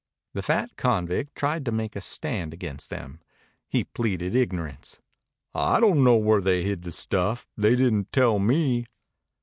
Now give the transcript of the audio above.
The fat convict tried to make a stand against them. He pleaded ignorance. "I don' know where they hid the stuff. They didn't tell me."